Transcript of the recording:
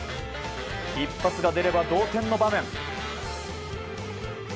一発が出れば同点の場面。